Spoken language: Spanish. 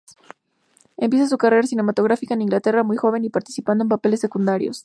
Empieza su carrera cinematográfica en Inglaterra, muy joven, y participando en papeles secundarios.